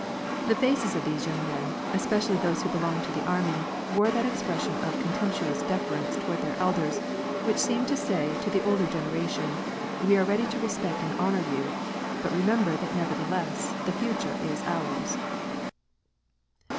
The faces of these young men, especially those who belonged to the army, wore that expression of con Itinptuous deference toward their elders, which seemed to say to the older generation :" We are ready to respect and honor Jon, but^ remember that nevertheless the future is ours."